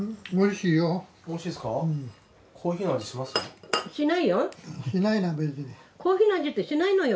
しないよ。